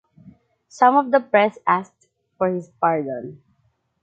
Some of the press asked for his pardon.